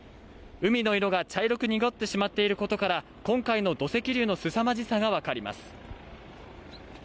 海の色が茶色く濁ってしまっていることから、今回の土石流のすさまじさがわかります。